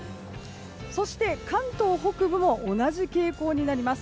そして関東北部も同じ傾向になります。